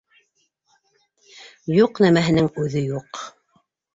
Юҡ нәмәһенең үҙе юҡ.